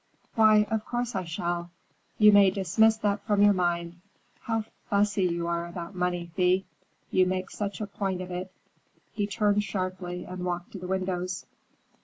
"Why, of course I shall. You may dismiss that from your mind. How fussy you are about money, Thea. You make such a point of it." He turned sharply and walked to the windows.